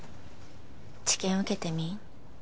治験受けてみん？